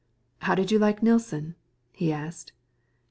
"How did you like Nilsson?" he asked.